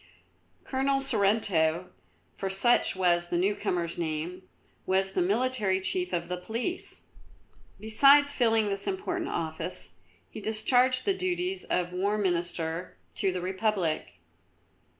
Colonel Sorrento, for such was the newcomer's name, was the military chief of the Police. Besides filling this important office, he discharged the duties of War Minister to the Republic.